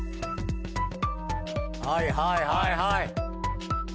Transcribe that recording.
はいはいはいはい。